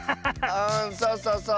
うんそうそうそう。